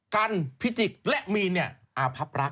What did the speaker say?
กันพี่จิกและมีนเนี่ยอาภัพรัก